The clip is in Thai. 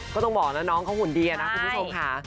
ก็ต้องบอกแล้วน้องเขาหุ่นดีนะคุณผู้ชมค่ะ